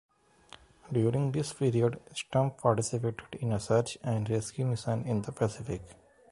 During this period "Stump" participated in a search and rescue mission in the Pacific.